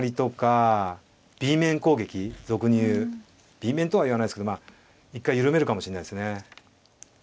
Ｂ面とは言わないですけどまあ一回緩めるかもしれないですね。